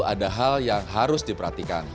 ada hal yang harus diperhatikan